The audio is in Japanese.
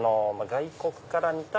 外国から見た。